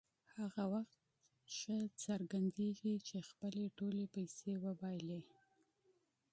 هغه وخت ښه څرګندېږي چې خپلې ټولې پیسې وبایلي.